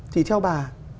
thì theo bà